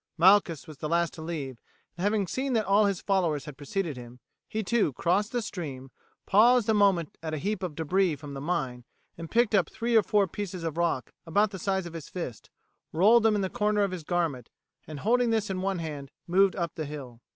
Malchus was the last to leave, and having seen that all his followers had preceded him, he, too, crossed the stream, paused a moment at a heap of debris from the mine, and picking up three or four pieces of rock about the size of his fist, rolled them in the corner of his garment, and holding this in one hand moved up the hill.